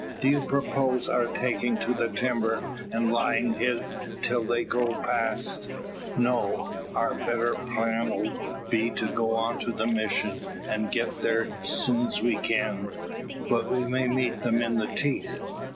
"Do you propose our taking to the timber, and lying hid till they go past?" "No. Our better plan 'll be to go on to the Mission, an' get thar soon's we kin." "But we may meet them in the teeth?"